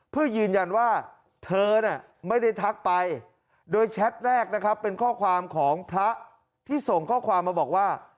เพื่อยืนยันว่าเธอเนี่ยไม่ได้ทักไปโดยแชทแรกนะครับเป็นข้อความของพระที่ส่งข้อความมาบอกว่า